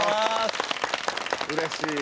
うれしい！